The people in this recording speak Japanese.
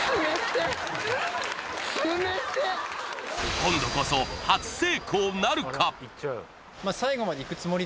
今度こそ初成功なるか？